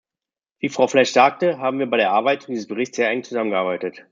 Wie Frau Flesch sagte, haben wir bei der Erarbeitung dieses Berichts sehr eng zusammengearbeitet.